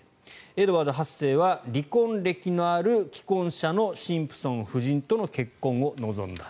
エドワード８世は離婚歴のある既婚者のシンプソン夫人との結婚を望んだ。